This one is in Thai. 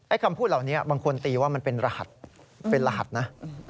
ไอ้คำพูดเหล่านี้บางคนตีว่ามันเป็นรหัสนะ